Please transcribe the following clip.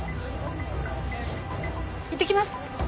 いってきます。